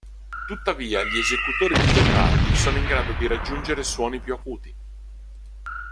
Tuttavia gli esecutori più dotati sono in grado di raggiungere suoni più acuti.